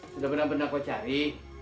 sudah benar benar kau cari